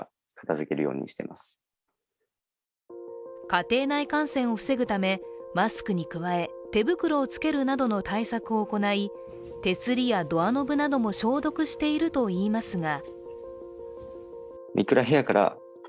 家庭内感染を防ぐため、マスクに加え、手袋をつけるなどの対策を行い、手すりやドアノブなども消毒しているといいますが。